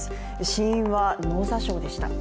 死因は脳挫傷でした。